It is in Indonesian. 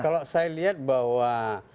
kalau saya lihat bahwa